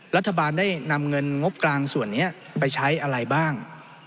รัฐบาลได้นำเงินงบกลางส่วนนี้ไปใช้อะไรบ้าง